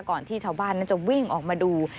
ที่ชาวบ้านนั้นจะวิ่งออกมาดู